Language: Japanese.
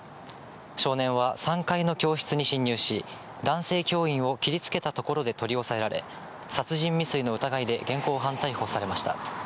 少年は３階の教室に侵入し、男性教員を切りつけたところで取り押さえられ、殺人未遂の疑いで現行犯逮捕されました。